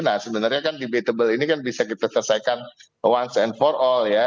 nah sebenarnya kan debatable ini kan bisa kita selesaikan once and for all ya